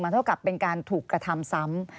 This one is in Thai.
เท่ากับเป็นการถูกกระทำซ้ำ